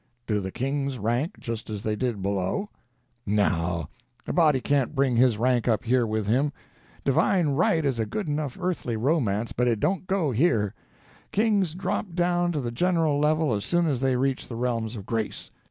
"Do the kings rank just as they did below?" "No; a body can't bring his rank up here with him. Divine right is a good enough earthly romance, but it don't go, here. Kings drop down to the general level as soon as they reach the realms of grace.